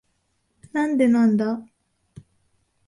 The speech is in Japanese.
なんでなんだ？